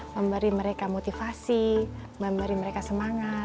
memberi mereka motivasi memberi mereka semangat